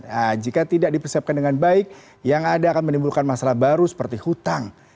nah jika tidak dipersiapkan dengan baik yang ada akan menimbulkan masalah baru seperti hutang